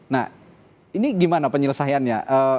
nah ini gimana penyelesaiannya